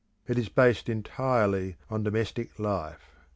It is based entirely on domestic life.